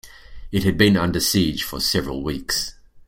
It had been under siege for several weeks.